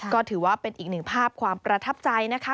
ก็ถือว่าเป็นอีกหนึ่งภาพความประทับใจนะคะ